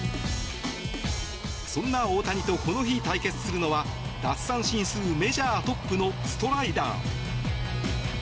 そんな大谷とこの日対決するのは奪三振数メジャートップのストライダー。